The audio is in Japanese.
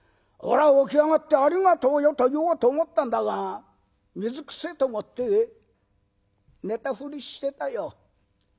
俺は起き上がって『ありがとうよ』と言おうと思ったんだが水くせえと思って寝たふりしてたよ。